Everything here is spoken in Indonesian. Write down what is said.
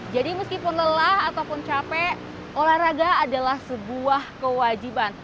jadi meskipun lelah ataupun capek olahraga adalah sebuah kewajiban